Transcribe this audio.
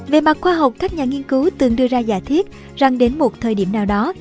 về mặt khoa học các nhà nghiên cứu từng đưa ra giả thiết rằng đến một thời điểm nào đó